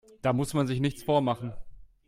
Da muss man sich nichts vormachen.